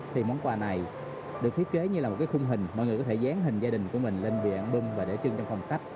thì món quà này được thiết kế như là một khung hình mọi người có thể dán hình gia đình của mình lên viện album và để trưng trong phòng cách